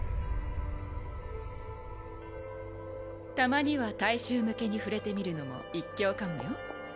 たまには大衆向けに触れてみるのも一興かもよ。